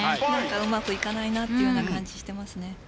うまくいかないなというような感じをしていますね。